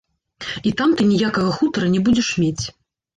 І там ты ніякага хутара не будзеш мець.